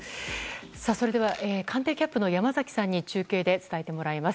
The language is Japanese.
それでは官邸キャップの山崎さんに中継で伝えてもらいます。